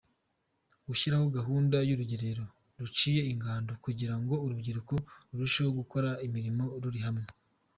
Gushyiraho gahunda y’urugerero ruciye ingando kugira ngo urubyiruko rurusheho gukora imirimo ruri hamwe.